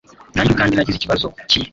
Nanjye ubwanjye nagize ikibazo kimwe